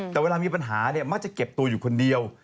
แต่เวลามีปัญหามักจะเก็บตัวอยู่คนเดียว